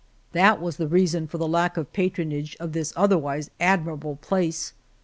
That was the reason for the lack of patron age of this otherwise admirable place.